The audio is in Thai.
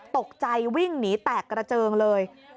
ตกใจวิ่งหนีแตกกระเจิงเลย